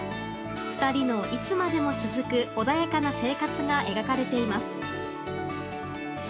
２人のいつまでも続く穏やかな生活が描かれています。